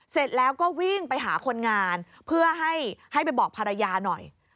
เสร็จแล้วก็วิ่งไปหาคนงานเพื่อให้ไปบอกภรรยาหน่อย